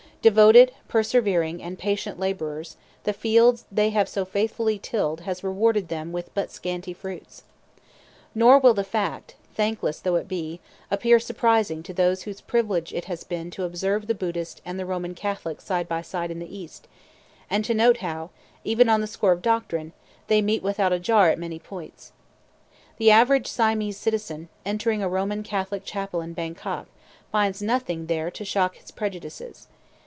Devoted, persevering, and patient laborers, the field they have so faithfully tilled has rewarded them with but scanty fruits. Nor will the fact, thankless though it be, appear surprising to those whose privilege it has been to observe the Buddhist and the Roman Catholic side by side in the East, and to note how, even on the score of doctrine, they meet without a jar at many points. The average Siamese citizen, entering a Roman Catholic chapel in Bangkok, finds nothing there to shock his prejudices.